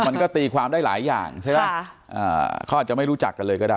มันก็ตีความได้หลายอย่างใช่ไหมเขาอาจจะไม่รู้จักกันเลยก็ได้